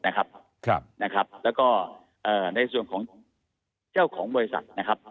หมดนะครับครับนะครับแล้วก็เอ่อในส่วนของเจ้าของบริษัทนะครับ